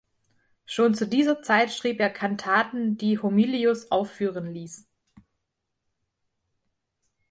Schon zu dieser Zeit schrieb er Kantaten, die Homilius aufführen ließ.